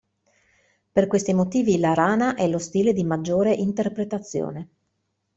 Per questi motivi la rana è lo stile di maggiore interpretazione.